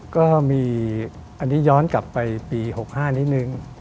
ก็มีอันนี้ย้อนกลับไปปี๖๕นิดนึง